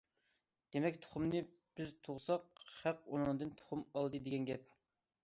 دېمەك تۇخۇمنى بىز تۇغساق، خەق ئۇنىڭدىن تۇخۇم ئالدى دېگەن گەپ.